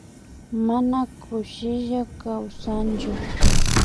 Mana kushilla kawsanllu